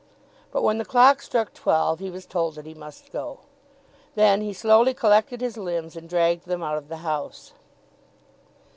But when the clock struck twelve he was told that he must go. Then he slowly collected his limbs and dragged them out of the house.